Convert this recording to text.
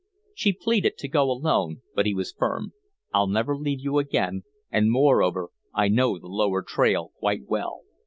She pleaded to go alone, but he was firm. "I'll never leave you again, and, moreover, I know the lower trail quite well.